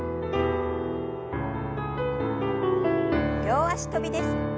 両脚跳びです。